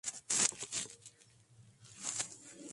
Una experiencia que marcó la historia de la banda.